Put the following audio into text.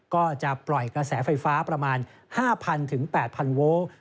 ก็จะปล่อยกระแสไฟฟ้าประมาณ๕๐๐๘๐๐โวลต์